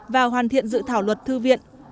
và hoàn thiện dự thảo luật thư viện